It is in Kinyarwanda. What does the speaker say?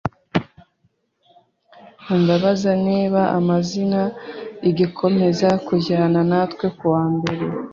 Ndabaza niba amani agikomeza kujyana natwe kuwa mbere.